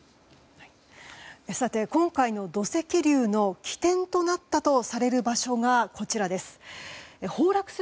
今回の土石流の起点となったとされる場所がこちらです。